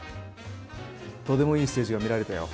とてもいいステージが見られたよ。